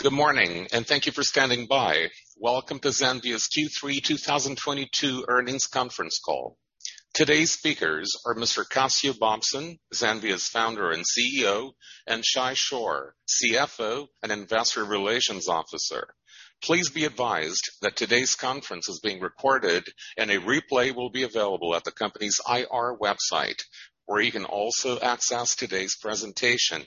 Good morning, thank you for standing by. Welcome to Zenvia's Q3 2022 earnings conference call. Today's speakers are Mr. Cassio Bobsin, Zenvia's Founder and CEO, and Shay Chor, CFO and Investor Relations Officer. Please be advised that today's conference is being recorded and a replay will be available at the company's IR website, where you can also access today's presentation.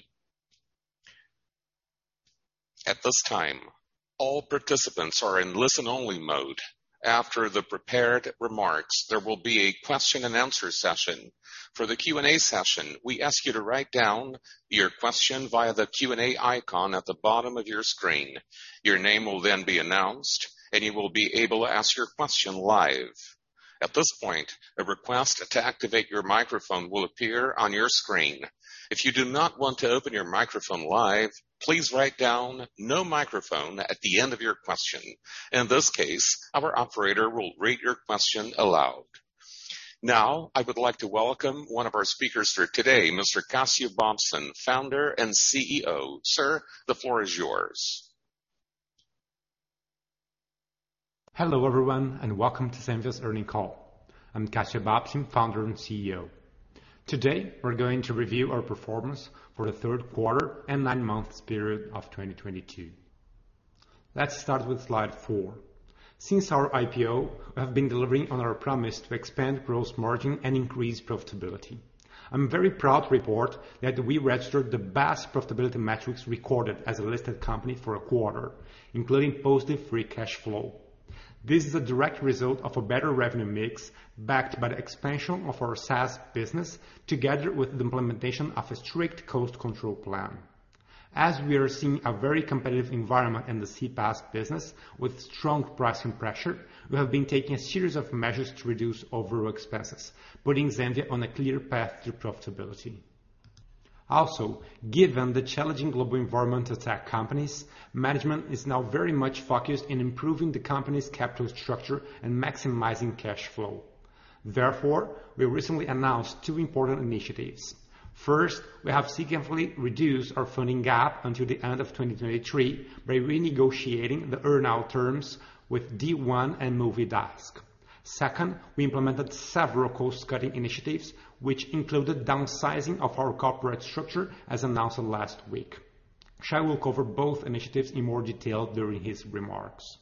At this time, all participants are in listen-only mode. After the prepared remarks, there will be a question and answer session. For the Q&A session, we ask you to write down your question via the Q&A icon at the bottom of your screen. Your name will then be announced, and you will be able to ask your question live. At this point, a request to activate your microphone will appear on your screen. If you do not want to open your microphone live, please write down "no microphone" at the end of your question. In this case, our operator will read your question aloud. Now, I would like to welcome one of our speakers for today, Mr. Cassio Bobsin, Founder and CEO. Sir, the floor is yours. Hello, everyone, and welcome to Zenvia's earnings call. I'm Cassio Bobsin, Founder and CEO. Today, we're going to review our performance for the third quarter and nine months period of 2022. Let's start with slide four. Since our IPO, we have been delivering on our promise to expand gross margin and increase profitability. I'm very proud to report that we registered the best profitability metrics recorded as a listed company for a quarter, including positive free cash flow. This is a direct result of a better revenue mix backed by the expansion of our SaaS business together with the implementation of a strict cost control plan. As we are seeing a very competitive environment in the CPaaS business with strong pricing pressure, we have been taking a series of measures to reduce overall expenses, putting Zenvia on a clear path to profitability. Also, given the challenging global environment for tech companies, management is now very much focused in improving the company's capital structure and maximizing cash flow. Therefore, we recently announced two important initiatives. First, we have significantly reduced our funding gap until the end of 2023 by renegotiating the earn-out terms with D1 and Movidesk. Second, we implemented several cost-cutting initiatives, which included downsizing of our corporate structure as announced last week. Shay will cover both initiatives in more detail during his remarks.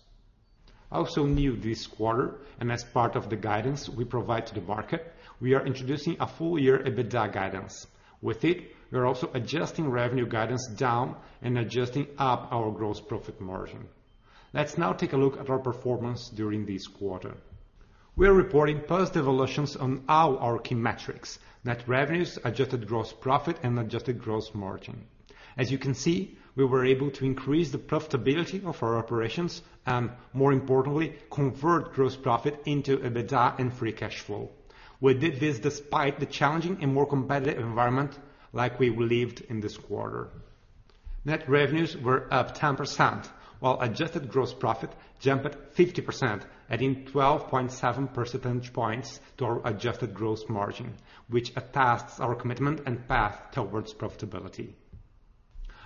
Also new this quarter, and as part of the guidance we provide to the market, we are introducing a full-year EBITDA guidance. With it, we are also adjusting revenue guidance down and adjusting up our gross profit margin. Let's now take a look at our performance during this quarter. We are reporting positive evolutions on all our key metrics, net revenues, adjusted gross profit, and adjusted gross margin. As you can see, we were able to increase the profitability of our operations and, more importantly, convert gross profit into EBITDA and free cash flow. We did this despite the challenging and more competitive environment like we lived in this quarter. Net revenues were up 10%, while adjusted gross profit jumped 50%, adding 12.7 percentage points to our adjusted gross margin, which attests our commitment and path towards profitability.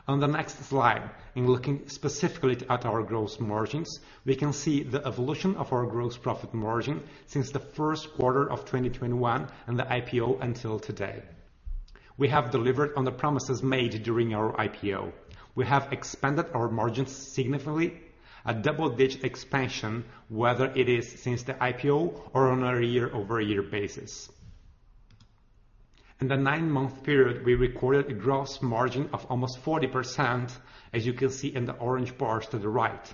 On the next slide, in looking specifically at our gross margins, we can see the evolution of our gross profit margin since the first quarter of 2021 and the IPO until today. We have delivered on the promises made during our IPO. We have expanded our margins significantly, a double-digit expansion, whether it is since the IPO or on a year-over-year basis. In the nine-month period, we recorded a gross margin of almost 40%, as you can see in the orange bars to the right,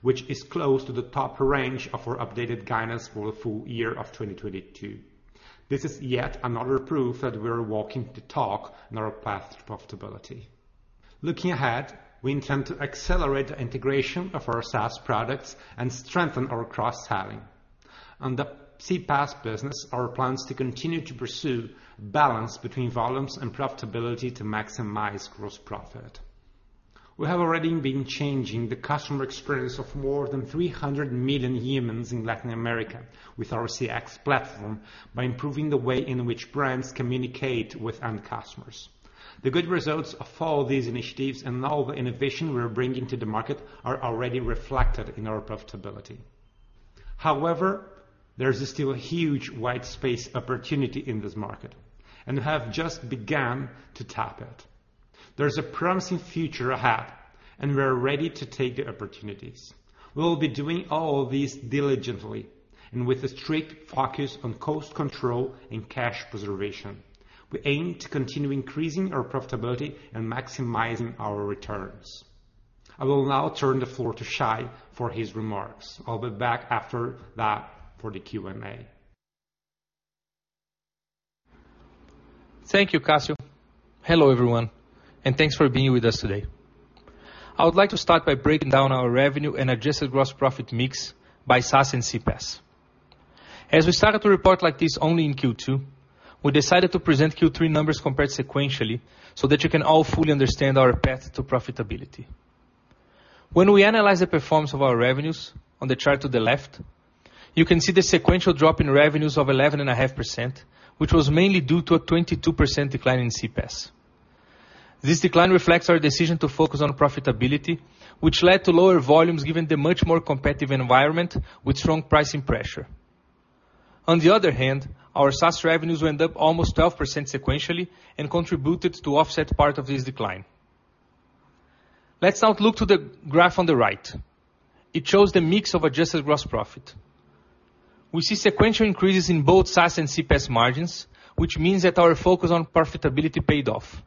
which is close to the top range of our updated guidance for the full year of 2022. This is yet another proof that we are walking the talk on our path to profitability. Looking ahead, we intend to accelerate the integration of our SaaS products and strengthen our cross-selling. On the CPaaS business, our plan is to continue to pursue balance between volumes and profitability to maximize gross profit. We have already been changing the customer experience of more than 300 million humans in Latin America with our CX platform by improving the way in which brands communicate with end customers. The good results of all these initiatives and all the innovation we are bringing to the market are already reflected in our profitability. However, there is still a huge white space opportunity in this market, and we have just began to tap it. There is a promising future ahead, and we are ready to take the opportunities. We will be doing all this diligently and with a strict focus on cost control and cash preservation. We aim to continue increasing our profitability and maximizing our returns. I will now turn the floor to Shay for his remarks. I'll be back after that for the Q&A. Thank you, Cassio. Hello, everyone, and thanks for being with us today. I would like to start by breaking down our revenue and adjusted gross profit mix by SaaS and CPaaS. As we started to report like this only in Q2, we decided to present Q3 numbers compared sequentially so that you can all fully understand our path to profitability. When we analyze the performance of our revenues on the chart to the left. You can see the sequential drop in revenues of 11.5%, which was mainly due to a 22% decline in CPaaS. This decline reflects our decision to focus on profitability, which led to lower volumes given the much more competitive environment with strong pricing pressure. On the other hand, our SaaS revenues went up almost 12% sequentially and contributed to offset part of this decline. Let's now look to the graph on the right. It shows the mix of adjusted gross profit. We see sequential increases in both SaaS and CPaaS margins, which means that our focus on profitability paid off.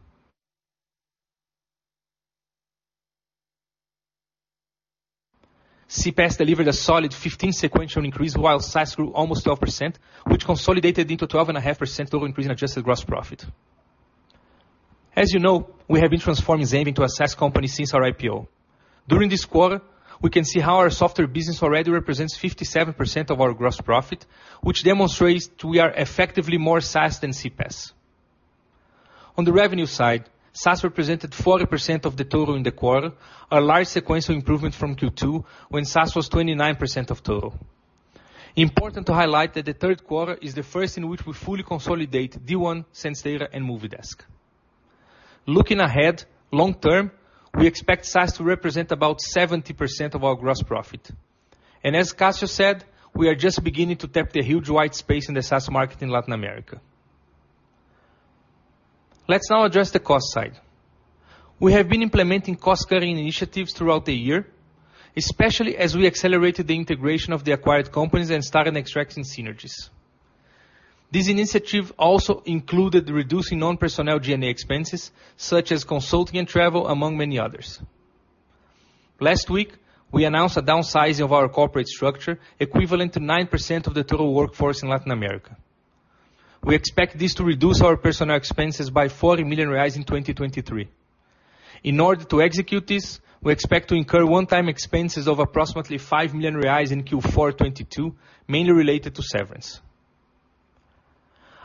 CPaaS delivered a solid 15 sequential increase while SaaS grew almost 12%, which consolidated into 12.5% total increase in adjusted gross profit. As you know, we have been transforming Zenvia into a SaaS company since our IPO. During this quarter, we can see how our software business already represents 57% of our gross profit, which demonstrates we are effectively more SaaS than CPaaS. On the revenue side, SaaS represented 40% of the total in the quarter, a large sequential improvement from Q2 when SaaS was 29% of total. Important to highlight that the third quarter is the first in which we fully consolidate D1, SenseData and Movidesk. Looking ahead long term, we expect SaaS to represent about 70% of our gross profit. As Cassio said, we are just beginning to tap the huge wide space in the SaaS market in Latin America. Let's now address the cost side. We have been implementing cost-cutting initiatives throughout the year, especially as we accelerated the integration of the acquired companies and started extracting synergies. This initiative also included reducing non-personnel G&A expenses such as consulting and travel among many others. Last week, we announced a downsizing of our corporate structure equivalent to 9% of the total workforce in Latin America. We expect this to reduce our personnel expenses by 40 million reais in 2023. In order to execute this, we expect to incur one-time expenses of approximately 5 million reais in Q4 2022 mainly related to severance.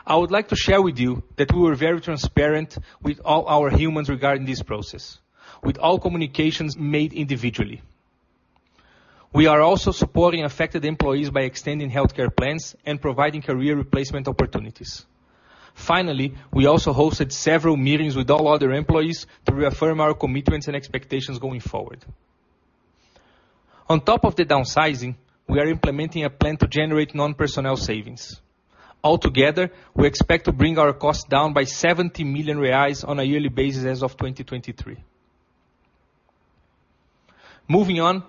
I would like to share with you that we were very transparent with all our humans regarding this process, with all communications made individually. We are also supporting affected employees by extending healthcare plans and providing career replacement opportunities. Finally, we also hosted several meetings with all other employees to reaffirm our commitments and expectations going forward. On top of the downsizing, we are implementing a plan to generate non-personnel savings. Altogether, we expect to bring our costs down by seventy million reais on a yearly basis as of twenty twenty-three. Moving on,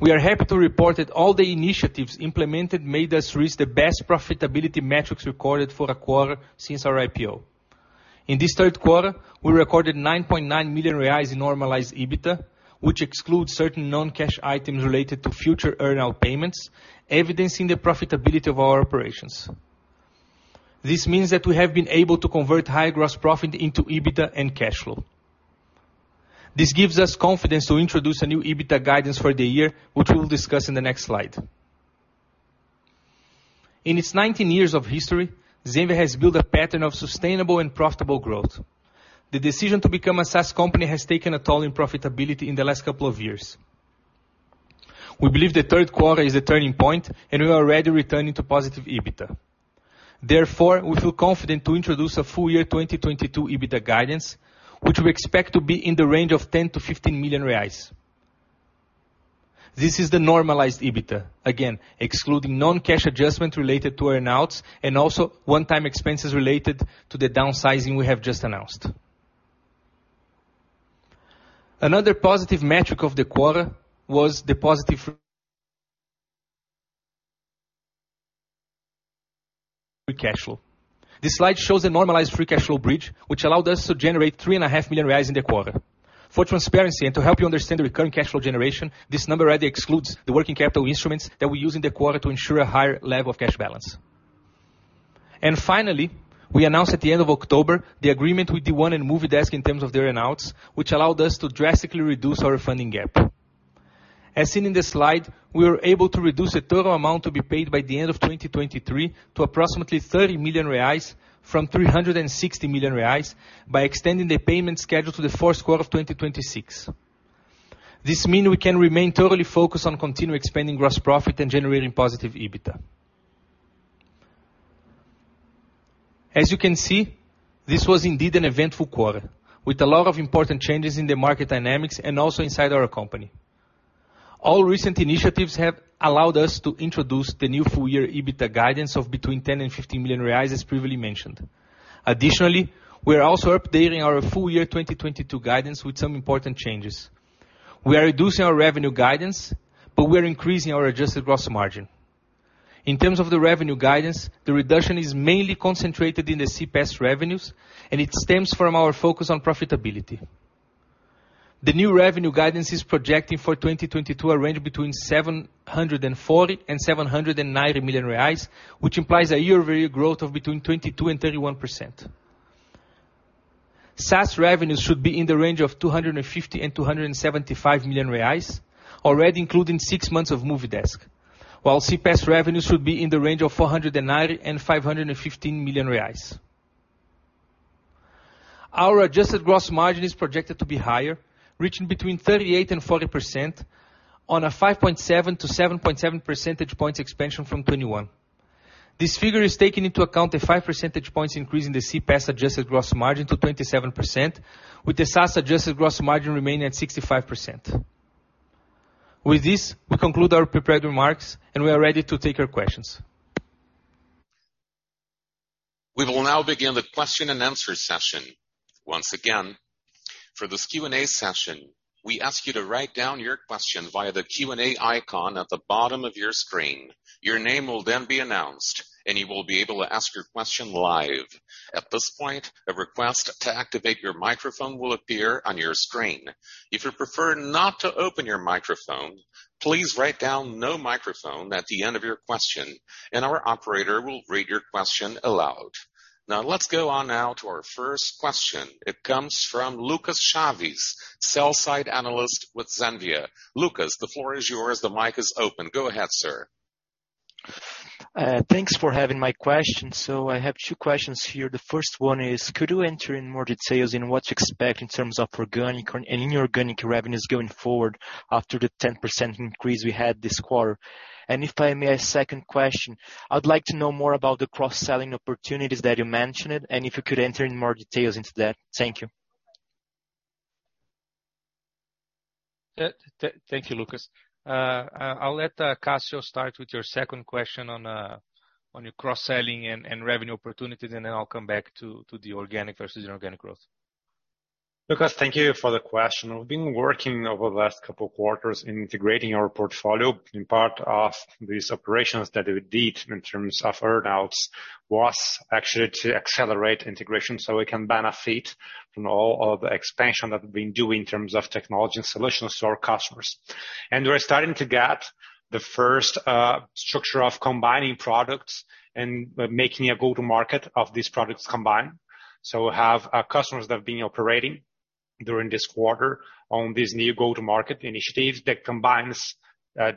we are happy to report that all the initiatives implemented made us reach the best profitability metrics recorded for a quarter since our IPO. In this third quarter, we recorded nine point nine million reais in normalized EBITDA, which excludes certain non-cash items related to future earn out payments, evidencing the profitability of our operations. This means that we have been able to convert higher gross profit into EBITDA and cash flow. This gives us confidence to introduce a new EBITDA guidance for the year, which we will discuss in the next slide. In its nineteen years of history, Zenvia has built a pattern of sustainable and profitable growth. The decision to become a SaaS company has taken a toll in profitability in the last couple of years. We believe the third quarter is a turning point and we are already returning to positive EBITDA. Therefore, we feel confident to introduce a full year 2022 EBITDA guidance, which we expect to be in the range of 10 million-15 million reais. This is the normalized EBITDA, again, excluding non-cash adjustment related to earn-outs and also one-time expenses related to the downsizing we have just announced. Another positive metric of the quarter was the positive free cash flow. This slide shows a normalized free cash flow bridge, which allowed us to generate three and a half million reais in the quarter. For transparency and to help you understand the recurring cash flow generation, this number already excludes the working capital instruments that we use in the quarter to ensure a higher level of cash balance. Finally, we announced at the end of October the agreement with D1 and Movidesk in terms of their earn-outs, which allowed us to drastically reduce our funding gap. As seen in this slide, we were able to reduce the total amount to be paid by the end of 2023 to approximately 30 million reais from 360 million reais by extending the payment schedule to the fourth quarter of 2026. This mean we can remain totally focused on continuing expanding gross profit and generating positive EBITDA. As you can see, this was indeed an eventful quarter with a lot of important changes in the market dynamics and also inside our company. All recent initiatives have allowed us to introduce the new full-year EBITDA guidance of between 10 million and 15 million reais as previously mentioned. Additionally, we are also updating our full-year 2022 guidance with some important changes. We are reducing our revenue guidance, but we're increasing our adjusted gross margin. In terms of the revenue guidance, the reduction is mainly concentrated in the CPaaS revenues, and it stems from our focus on profitability. The new revenue guidance is projecting for 2022 a range between 740 million and 790 million reais, which implies a year-over-year growth of between 22% and 31%. SaaS revenues should be in the range of 250 million and 275 million reais already including six months of Movidesk, while CPaaS revenues should be in the range of 490 million and 515 million reais. Our adjusted gross margin is projected to be higher, reaching between 38% and 40% on a 5.7-7.7 percentage points expansion from 2021. This figure is taken into account a five percentage points increase in the CPaaS adjusted gross margin to 27%, with the SaaS adjusted gross margin remaining at 65%. With this, we conclude our prepared remarks, and we are ready to take your questions. We will now begin the question-and-answer session. Once again, for this Q&A session, we ask you to write down your question via the Q&A icon at the bottom of your screen. Your name will then be announced, and you will be able to ask your question live. At this point, a request to activate your microphone will appear on your screen. If you prefer not to open your microphone, please write down "No microphone" at the end of your question, and our operator will read your question aloud. Now, let's go on now to our first question. It comes from Lucas Chaves, Sell-side Analyst with XP Investimentos. Lucas, the floor is yours. The mic is open. Go ahead, sir. Thanks for having my question. I have two questions here. The first one is, could you enter in more details in what to expect in terms of organic and inorganic revenues going forward after the 10% increase we had this quarter? If I may, a second question, I would like to know more about the cross-selling opportunities that you mentioned, and if you could enter in more details into that. Thank you. Thank you, Lucas. I'll let Cassio start with your second question on your cross-selling and revenue opportunities, and then I'll come back to the organic versus inorganic growth. Lucas, thank you for the question. We've been working over the last couple quarters in integrating our portfolio. In part of these operations that we did in terms of earn-outs was actually to accelerate integration, so we can benefit from all of the expansion that we've been doing in terms of technology and solutions to our customers. We're starting to get the first structure of combining products and making a go-to-market of these products combined. We have customers that have been operating during this quarter on this new go-to-market initiatives that combines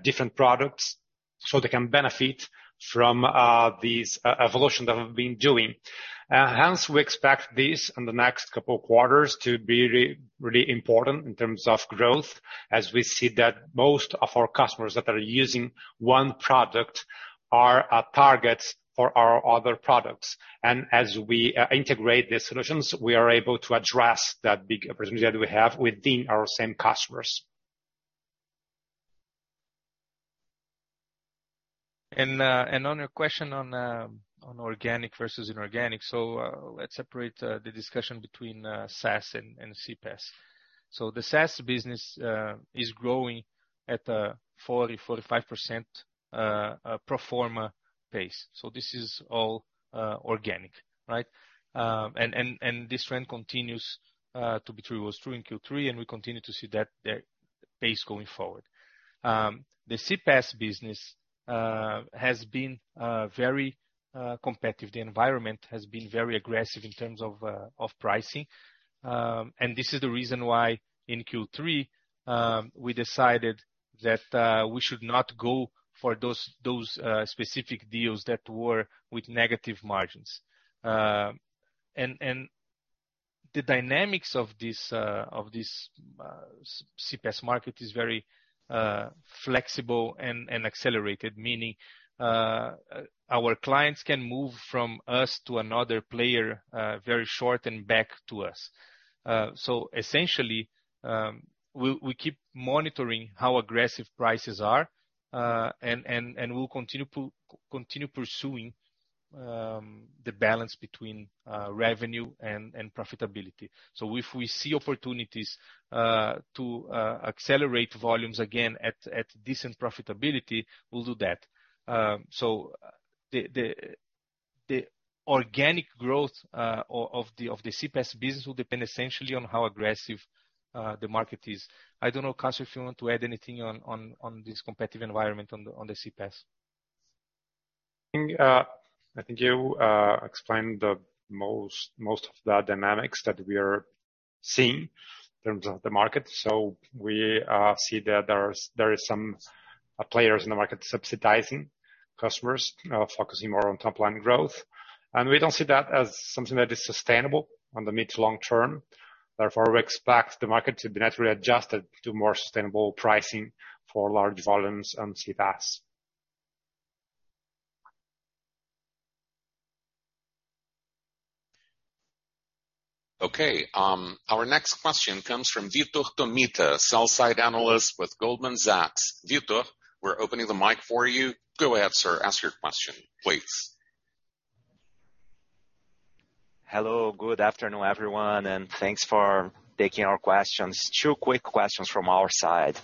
different products, so they can benefit from these evolution that we've been doing. Hence, we expect this in the next couple quarters to be really important in terms of growth as we see that most of our customers that are using one product are targets for our other products. As we integrate the solutions, we are able to address that big opportunity that we have within our same customers. On your question on organic versus inorganic. Let's separate the discussion between SaaS and CPaaS. The SaaS business is growing at 40%-45% pro forma pace. This is all organic, right? This trend continues to be true. It was true in Q3, and we continue to see that pace going forward. The CPaaS business has been very competitive. The environment has been very aggressive in terms of pricing. This is the reason why in Q3 we decided that we should not go for those specific deals that were with negative margins. The dynamics of this CPaaS market is very flexible and accelerated. Meaning, our clients can move from us to another player, very short and back to us. Essentially, we keep monitoring how aggressive prices are, and we'll continue pursuing the balance between revenue and profitability. If we see opportunities to accelerate volumes again at decent profitability, we'll do that. The organic growth of the CPaaS business will depend essentially on how aggressive the market is. I don't know, Cassio, if you want to add anything on this competitive environment on the CPaaS. I think you explained most of the dynamics that we are seeing in terms of the market. We see that there is some players in the market subsidizing customers, focusing more on top-line growth. We don't see that as something that is sustainable on the mid- to long-term. Therefore, we expect the market to be naturally adjusted to more sustainable pricing for large volumes on CPaaS. Okay. Our next question comes from Vitor Tomita, Sell-side Analyst with Goldman Sachs. Vitor, we're opening the mic for you. Go ahead, sir. Ask your question, please. Hello. Good afternoon, everyone, and thanks for taking our questions. Two quick questions from our side.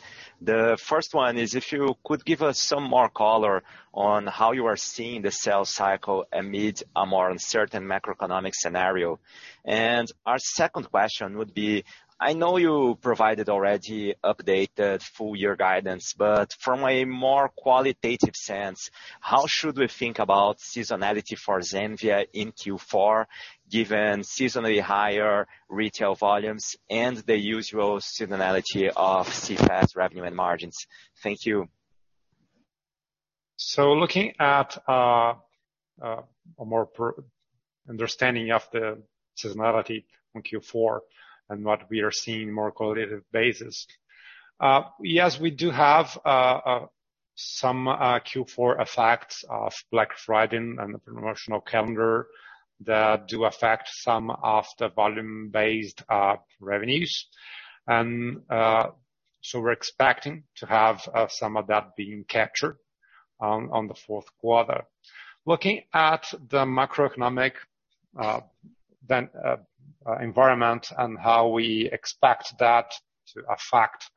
The first one is if you could give us some more color on how you are seeing the sales cycle amid a more uncertain macroeconomic scenario. Our second question would be, I know you provided already updated full-year guidance, but from a more qualitative sense, how should we think about seasonality for Zenvia in Q4, given seasonally higher retail volumes and the usual seasonality of CPaaS revenue and margins? Thank you. Looking at understanding of the seasonality in Q4 and what we are seeing more qualitative basis, yes, we do have some Q4 effects of Black Friday and the promotional calendar that do affect some of the volume-based revenues. We're expecting to have some of that being captured on the fourth quarter. Looking at the macroeconomic environment and how we expect that to affect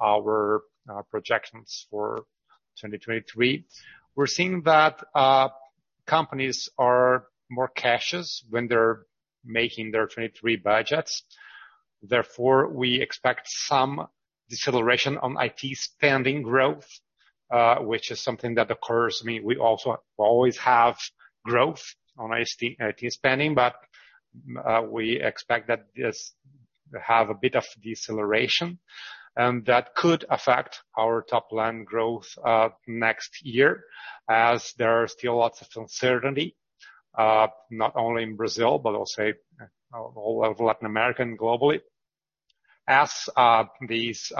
our projections for 2023, we're seeing that companies are more cautious when they're making their 2023 budgets. Therefore, we expect some deceleration on I.T. spending growth, which is something that occurs. I mean, we also always have growth on IT spending. We expect that this have a bit of deceleration, and that could affect our top-line growth next year as there are still lots of uncertainty, not only in Brazil, but also all over Latin America and globally. As this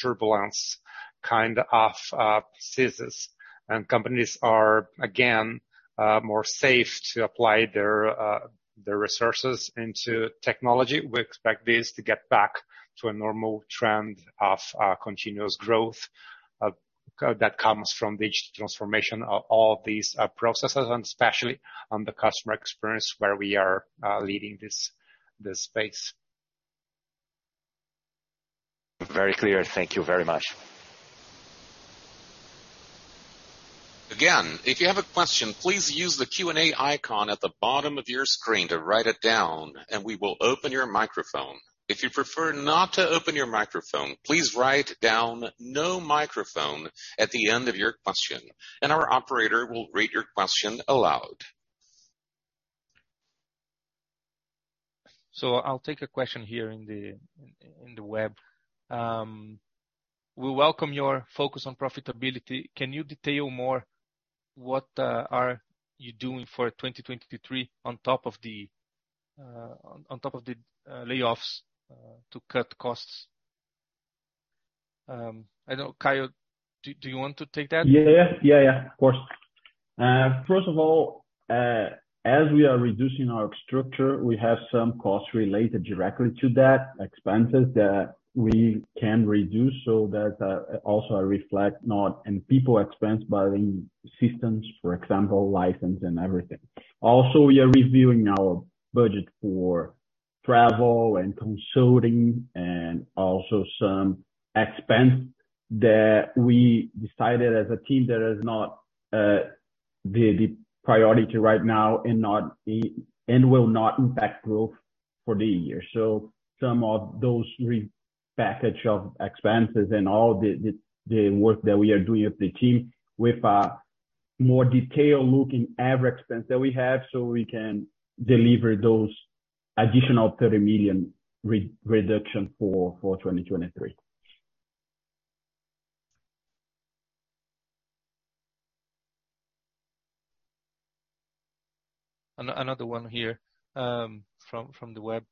turbulence kind of ceases and companies are again more safe to apply their resources into technology, we expect this to get back to a normal trend of continuous growth that comes from digital transformation of all these processes and especially on the customer experience where we are leading this space. Very clear. Thank you very much. Again, if you have a question, please use the Q&A icon at the bottom of your screen to write it down and we will open your microphone. If you prefer not to open your microphone, please write down no microphone at the end of your question, and our operator will read your question aloud. I'll take a question here in the web. We welcome your focus on profitability. Can you detail more what are you doing for 2023 on top of the layoffs to cut costs? I know Cassio, do you want to take that? Yeah. Yeah, yeah, of course. First of all, as we are reducing our structure, we have some costs related directly to that, expenses that we can reduce. That also reflect not in people expense, but in systems, for example, license and everything. Also, we are reviewing our budget for travel and consulting and also some expense that we decided as a team that is not the priority right now and will not impact growth for the year. Some of those re-package of expenses and all the work that we are doing with the team with a more detailed look in every expense that we have so we can deliver those additional 30 million reduction for 2023. Another one here from the web.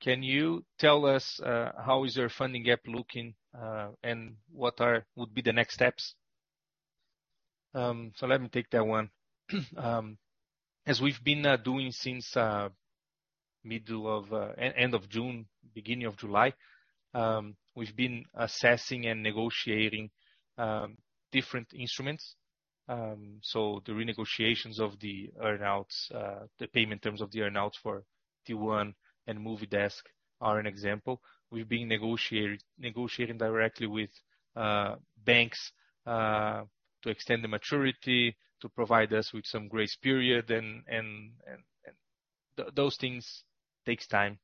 Can you tell us how is your funding gap looking and what would be the next steps? Let me take that one. As we've been doing since end of June, beginning of July, we've been assessing and negotiating different instruments. The renegotiations of the earn-outs, the payment terms of the earn-outs for D1 and Movidesk are an example. We've been negotiating directly with banks to extend the maturity, to provide us with some grace period and those things takes time.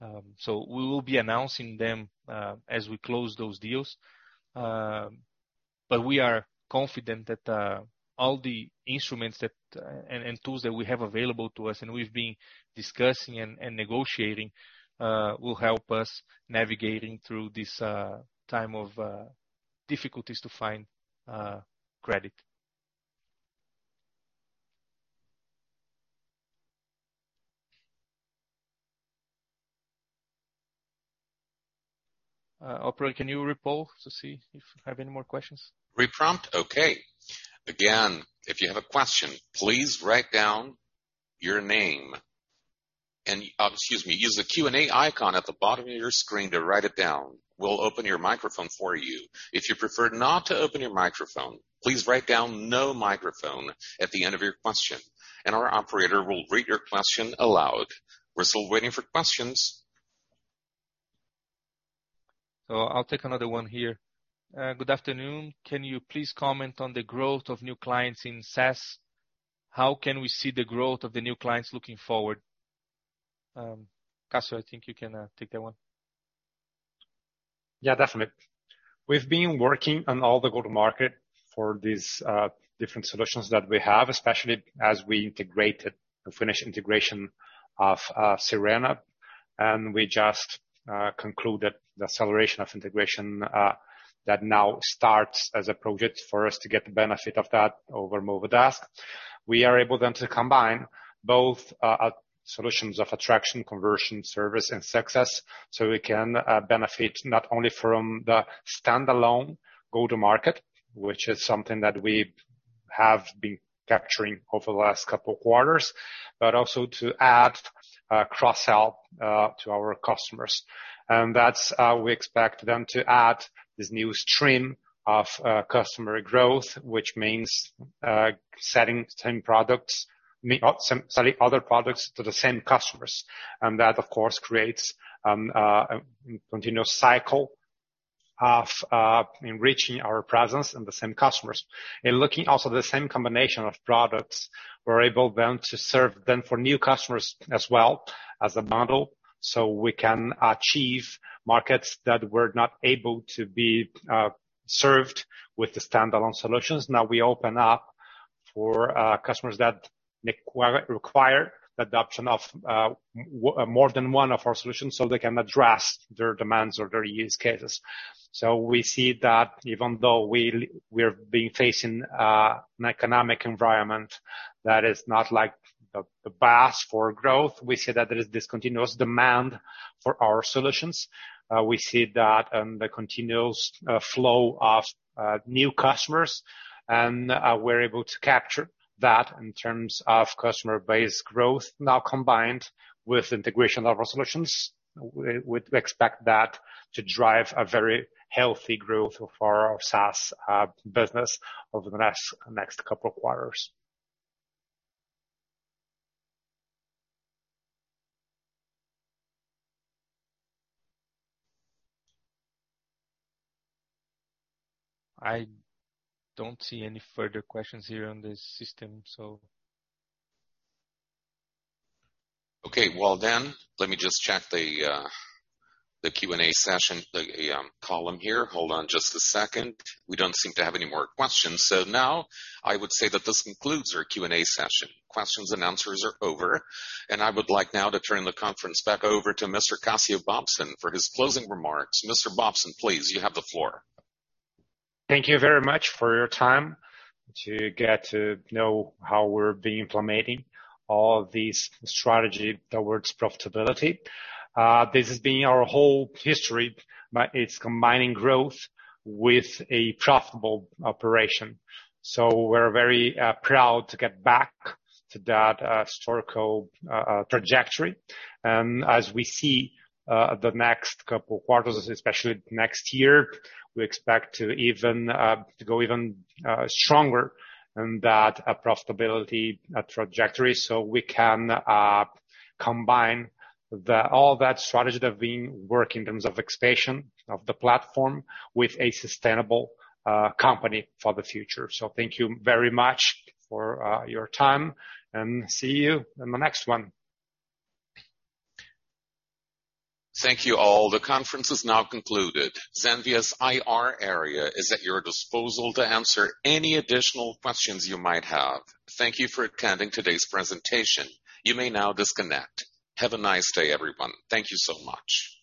We will be announcing them as we close those deals. Um, but we are confident that, uh, all the instruments that, uh, and tools that we have available to us and we've been discussing and negotiating, uh, will help us navigating through this, uh, time of, uh, difficulties to find, uh, credit. Uh, operator, can you re-poll to see if we have any more questions? Reprompt? Okay. Again, if you have a question, please write down your name and excuse me, use the Q&A icon at the bottom of your screen to write it down. We'll open your microphone for you. If you prefer not to open your microphone, please write down no microphone at the end of your question, and our operator will read your question aloud. We're still waiting for questions. I'll take another one here. Good afternoon. Can you please comment on the growth of new clients in SaaS? How can we see the growth of the new clients looking forward? Cassio, I think you can take that one. Yeah, definitely. We've been working on all the go-to-market for these different solutions that we have, especially as we integrated the finished integration of Sirena, and we just concluded the celebration of integration that now starts as a project for us to get the benefit of that over Movidesk. We are able then to combine both solutions of attraction, conversion, service, and success, so we can benefit not only from the standalone go-to-market, which is something that we have been capturing over the last couple of quarters, but also to add cross-sell to our customers. That's how we expect them to add this new stream of customer growth, which means selling other products to the same customers. That, of course, creates a continuous cycle of enriching our presence in the same customers. In looking also the same combination of products, we're able then to serve them for new customers as well as a model, so we can achieve markets that were not able to be served with the standalone solutions. Now we open up for customers that require the adoption of more than one of our solutions, so they can address their demands or their use cases. We see that even though we're being facing an economic environment that is not like the best for growth, we see that there is this continuous demand for our solutions. We see that on the continuous flow of new customers, and we're able to capture that in terms of customer-based growth now combined with integration of our solutions. We'd expect that to drive a very healthy growth of our SaaS business over the next couple of quarters. I don't see any further questions here on the system. Okay. Well, let me just check the Q&A session, the column here. Hold on just a second. We don't seem to have any more questions. Now I would say that this concludes our Q&A session. Questions and answers are over, and I would like now to turn the conference back over to Mr. Cassio Bobsin for his closing remarks. Mr. Bobsin, please, you have the floor. Thank you very much for your time to get to know how we're implementing all this strategy towards profitability. This has been our whole history, but it's combining growth with a profitable operation. We're very proud to get back to that historical trajectory. As we see the next couple of quarters, especially next year, we expect to go even stronger in that profitability trajectory, so we can combine all that strategy that we work in terms of expansion of the platform with a sustainable company for the future. Thank you very much for your time and see you in the next one. Thank you all. The conference is now concluded. Zenvia's IR area is at your disposal to answer any additional questions you might have. Thank you for attending today's presentation. You may now disconnect. Have a nice day, everyone. Thank you so much.